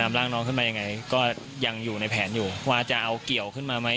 ร่างน้องขึ้นมายังไงก็ยังอยู่ในแผนอยู่ว่าจะเอาเกี่ยวขึ้นมาไหม